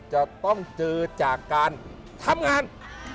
จะต้องเจอจากการทำงาน